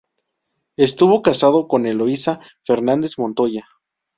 Estuvo casado con Eloísa Fernández Montoya.